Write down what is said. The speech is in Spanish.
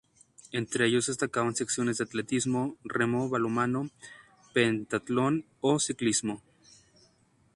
Entre ellos destacaban secciones de atletismo, remo, balonmano, pentatlón o ciclismo.